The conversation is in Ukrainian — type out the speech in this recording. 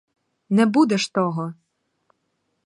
Не буде ж того!